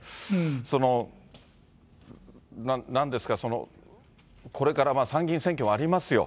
その、なんですか、これから参議院選挙もありますよ。